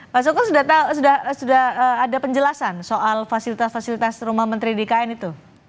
pak suko sudah ada penjelasan soal fasilitas fasilitas rumah menteri di kn itu